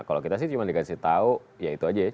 kalau kita sih cuma dikasih tahu ya itu aja